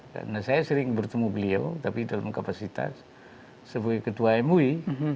karena saya sering bertemu beliau tapi dalam kapasitas sebagai ketua mui